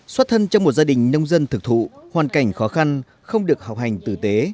xuất thân trong một gia đình nông dân thực thụ hoàn cảnh khó khăn không được học hành tử tế